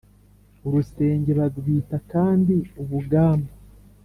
urusenge barwita kandi ubugamba.